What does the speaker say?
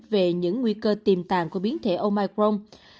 về những nguy cơ tiềm tàng của biến thể omicron